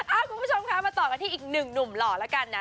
คุณผู้ชมคะมาต่อกันที่อีกหนึ่งหนุ่มหล่อแล้วกันนะ